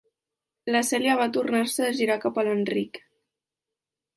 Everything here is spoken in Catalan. La Cèlia va tornar-se a girar cap a l'Enric.